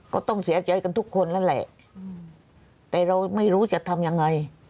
ก็ต้องเสียใจกันทุกคนนั่นแหละแต่เราไม่รู้จะทำยังไง